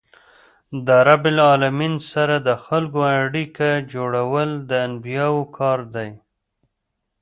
له رب العالمین سره د خلکو اړیکه جوړول د انبياوو کار دئ.